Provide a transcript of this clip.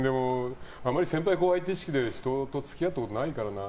あまり先輩後輩という意識で人と付き合ったことがないからな。